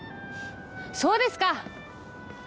そうですか！